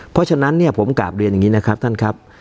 เพราะฉะนั้นเนี่ยผมกลับเรียนอย่างนี้นะครับท่านครับ